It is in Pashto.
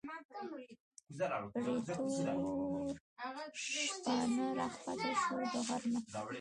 بریتور شپانه راکښته شو د غر نه